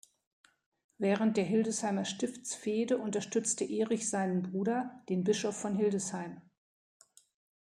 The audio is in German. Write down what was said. Während der Hildesheimer Stiftsfehde unterstützte Erich seinen Bruder, den Bischof von Hildesheim.